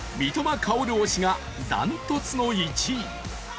薫推しが断トツの１位。